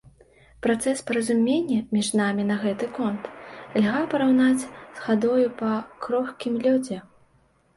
Працэс паразумення між намі на гэты конт льга параўнаць з хадою па крохкім лёдзе.